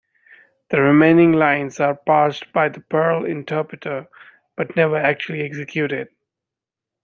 The remaining lines are parsed by the Perl interpreter but never actually executed.